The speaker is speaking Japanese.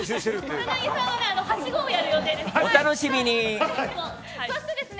草なぎさんははしごをやる予定ですね。